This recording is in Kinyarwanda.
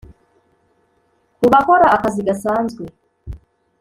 kubakora akazi gasanzwe